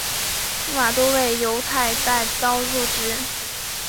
驸马都尉游泰带刀入直。